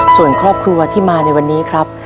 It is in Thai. ส่วนครอบครัวที่มาในวันนี้ครับ